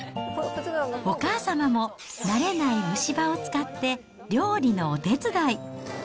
お母様も慣れない蒸し場を使って、料理のお手伝い。